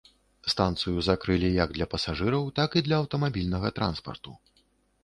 Станцыю закрылі як для пасажыраў, так і для аўтамабільнага транспарту.